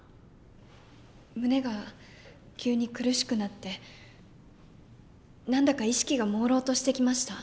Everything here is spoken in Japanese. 胸が急に苦しくなって何だか意識が朦朧としてきました。